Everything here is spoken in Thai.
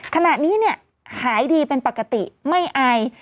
ขนาดนี้หายดีเป็นปกติไม่อาย